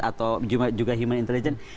atau juga human intelligence